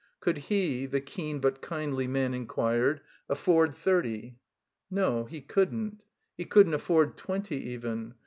Could he, the keen but kindly man inquired, afford thirty? No, he couldn't. He couldn't afford twenty even.